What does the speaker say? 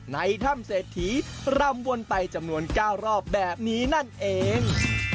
ในถ้ำเศรษฐีรำวนไปจำนวน๙รอบแบบนี้นั่นเอง